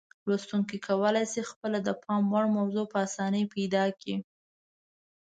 لوستونکي کولای شي خپله د پام وړ موضوع په اسانۍ پیدا کړي.